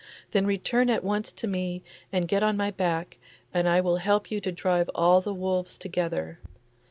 Then return at once to me and get on my back, and I will help you to drive all the wolves together.